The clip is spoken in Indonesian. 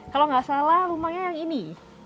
kalau nggak salah rumahnya yang ini